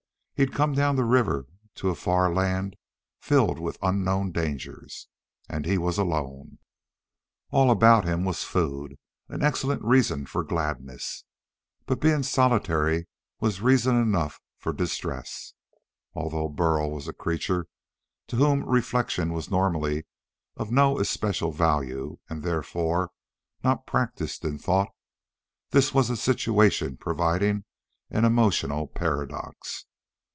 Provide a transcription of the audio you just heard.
He'd come down the river to a far land filled with unknown dangers. And he was alone. All about him was food, an excellent reason for gladness. But being solitary was reason enough for distress. Although Burl was a creature to whom reflection was normally of no especial value and, therefore, not practiced in thought, this was a situation providing an emotional paradox.